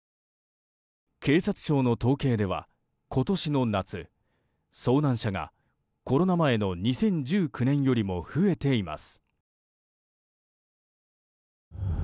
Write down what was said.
警察庁の統計では今年の夏、遭難者がコロナ前の２０１９年よりも増えています。